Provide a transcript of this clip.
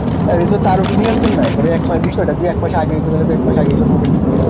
কোথায় হারিয়ে গেলে?